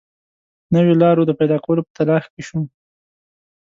نویو لارو د پیدا کولو په تلاښ کې شوم.